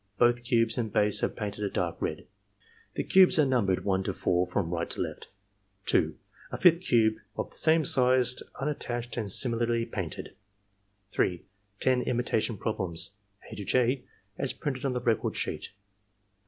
Both cubes and base are painted a dark red. The cubes are numbered 1 to 4 from right to left. (2) A fifth EXAMINER'S GUIDE 105 cube of the same size unattached and similarly painted. (3) Ten imitation problems (a to y), as printed on the record sheet.